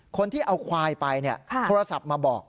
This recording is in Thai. คนที่เอาควายไปโทรศัพท์มาบอก